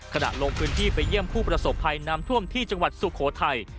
ขณะลงพื้นที่ไปเยี่ยมผู้ประสบภัยน้ำท่วมที่จังหวัดสุโขทัย